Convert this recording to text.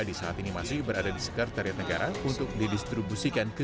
kita akan melalui mitra